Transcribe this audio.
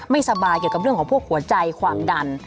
ไม่สบายเกี่ยวกับเรื่องของพวกหัวใจความดัน